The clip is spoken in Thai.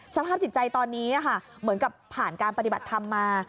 สภาพจิตใจตอนนี้เหมือนกับผ่านการปฏิบัติธรรมมา